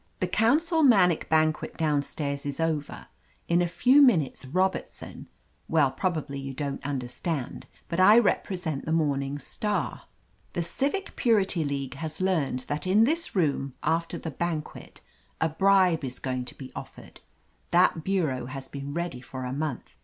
The council manic banquet down stairs is over; in a few minutes Robertson — ^well, probably you don't understand, but I represent the Morning Star. The Civic Purity League has learned that in 265 THE AMAZING ADVENTURES this room, after the banquet, a bribe is going to be offered. That bureau has been ready for a month.